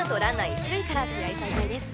一塁から試合再開です